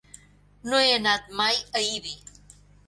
No he anat mai a Ibi.